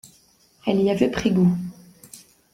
Elle y avait pris goût.